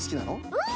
うん！